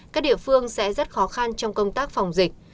các địa phương sẽ rất khó khăn trong công tác phòng dịch